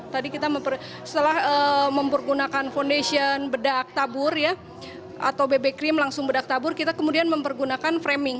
setelah mempergunakan foundation bedak tabur atau bb cream langsung bedak tabur kita kemudian mempergunakan framing